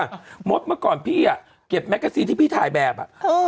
มถมาก่อนไม่หรือพี่อ่ะเก็บแมกาซีที่พี่ถ่ายแบบอ่ะ